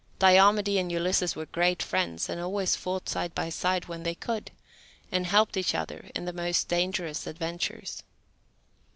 Diomede and Ulysses were great friends, and always fought side by side, when they could, and helped each other in the most dangerous adventures.